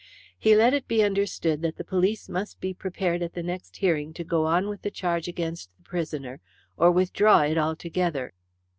He let it be understood that the police must be prepared at the next hearing to go on with the charge against the prisoner or withdraw it altogether.